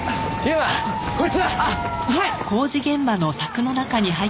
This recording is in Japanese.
はい！